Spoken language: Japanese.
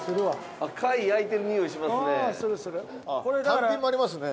単品もありますね。